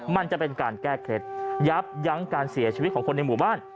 มันจะเป็นการแก้เคล็ดยับยั้งการเสียชีวิตของคนในหมู่บ้าน